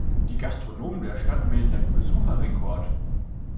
Die Gastronomen der Stadt melden einen Besucherrekord.